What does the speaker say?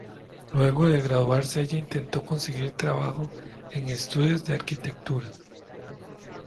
Luego de graduarse, ella intentó conseguir trabajo en estudios de arquitectura.